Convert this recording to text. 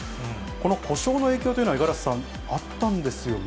この故障の影響というのは五十嵐さん、あったんですよね。